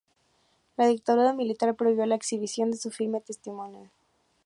La dictadura militar prohibió la exhibición de su filme Testimonios.